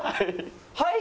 はい。